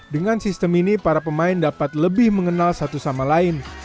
dengan sistem ini para pemain dapat lebih mengenal satu sama lain